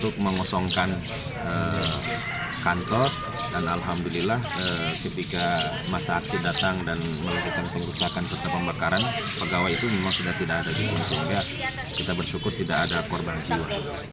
kita bersyukur tidak ada korban jiwa